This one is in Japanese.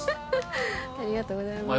ありがとうございます。